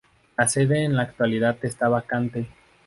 La sede en la actualidad está vacante.